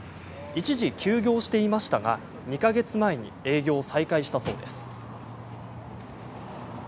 一時休業していましたが２か月前に営業を再開したそうです。